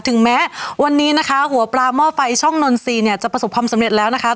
ถึงแม้วันนี้นะคะหัวปลาหม้อไฟช่องนนทรีย์เนี่ยจะประสบความสำเร็จแล้วนะคะ